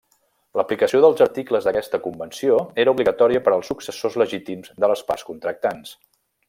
L'aplicació dels articles d'aquesta convenció era obligatòria per als successors legítims de les parts contractants.